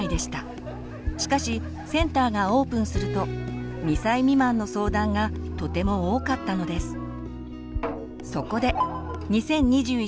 しかしセンターがオープンすると２歳未満の相談がとても多かったのです。